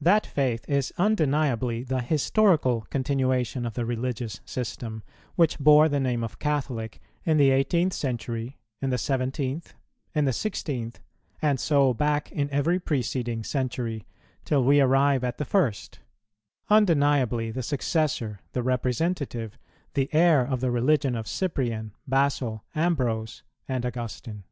That faith is undeniably the historical continuation of the religious system, which bore the name of Catholic in the eighteenth century, in the seventeenth, in the sixteenth, and so back in every preceding century, till we arrive at the first; undeniably the successor, the representative, the heir of the religion of Cyprian, Basil, Ambrose and Augustine.